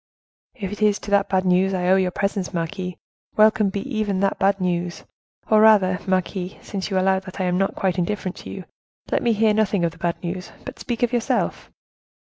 "If it is to that bad news I owe your presence, marquise, welcome be even that bad news! or rather, marquise, since you allow that I am not quite indifferent to you, let me hear nothing of the bad news, but speak of yourself."